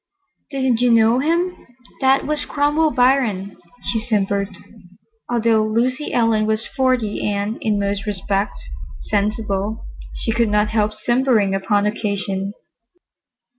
"Didn't you know him? That was Cromwell Biron," she simpered. Although Lucy Ellen was forty and, in most respects, sensible, she could not help simpering upon occasion.